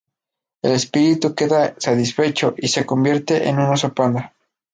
El espíritu queda satisfecho, y se convierte en un oso panda.